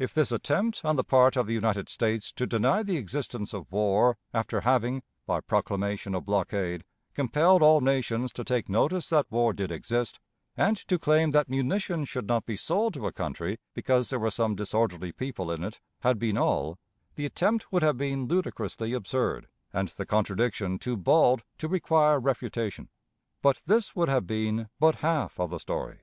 If this attempt, on the part of the United States, to deny the existence of war after having, by proclamation of blockade, compelled all nations to take notice that war did exist, and to claim that munitions should not be sold to a country because there were some disorderly people in it, had been all, the attempt would have been ludicrously absurd, and the contradiction too bald to require refutation; but this would have been but half of the story.